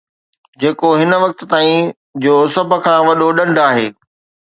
جيڪو هن وقت تائين جو سڀ کان وڏو ڏنڊ آهي